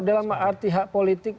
dalam arti hak politik